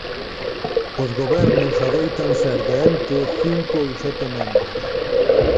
Os gobernos adoitan ser de ente cinco ou sete membros.